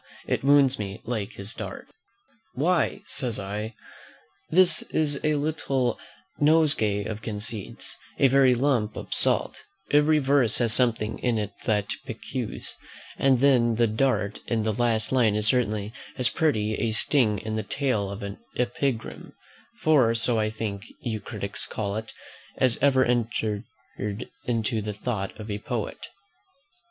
it wounds me like his dart." "Why," says I, "this is a little nosegay of conceits, a very lump of salt: every verse has something in it that piques; and then the dart in the last line is certainly as pretty a sting in the tail of an epigram, for so I think you critics call it, as ever entered into the thought of a poet."